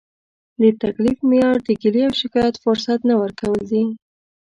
د تکلیف معیار د ګیلې او شکایت فرصت نه ورکول دي.